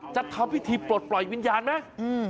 จะทำพิธีปลดปล่อยวิญญาณไหม